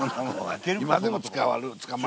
今でも捕まるわ。